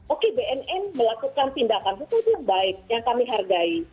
oke bnn melakukan tindakan hukum yang baik yang kami hargai